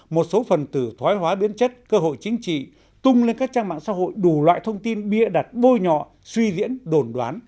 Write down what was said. một số phần từ thoái hóa biến chất cơ hội chính trị tung lên các trang mạng xã hội đủ loại thông tin bia đặt bôi nhọ suy diễn đồn đoán